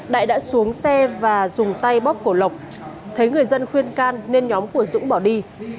đại đã xuống xe và dùng tay bóp cổ lộc thấy người dân khuyên can nên nhóm của dũng bỏ đi